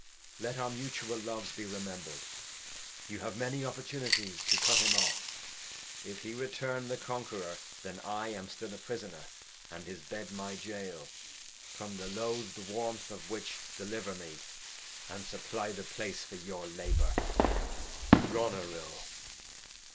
Let our Mutual Loves be rememhred, you have many Opportunities to Cut him off. If he return the Conqueror , then I am still a Prisoner,' and his gke/f Qg^ my'^Goal ; from the loath' d Warmth of which deliver me, and supply the Place for your Labour. Goneril.